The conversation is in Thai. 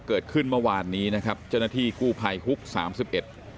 เกิดขึ้นเมื่อวานนี้นะครับเจ้าหน้าที่กู้ภัยฮุกสามสิบเอ็ด